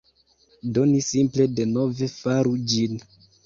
Do, ni simple denove faru ĝin